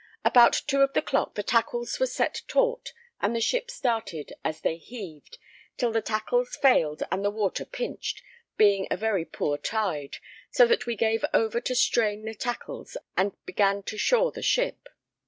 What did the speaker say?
About 2 of the clock the tackles were set taut and the ship started as they heaved, till the tackles failed and the water pinched, being a very poor tide, so that we gave over to strain the tackles and began to shore the ship.